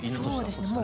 そうですね。